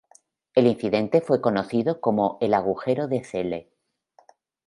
El incidente fue conocido como el agujero de Celle.